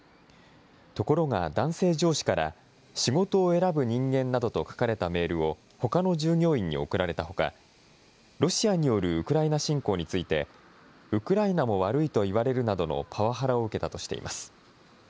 ところが男性上司から、仕事を選ぶ人間などと書かれたメールを、ほかの従業員に送られたほか、ロシアによるウクライナ侵攻について、ウクライナも悪いと言われるなどのパワハラを受けたとしています。